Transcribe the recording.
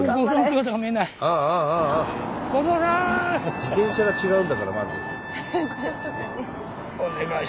自転車が違うんだからまず。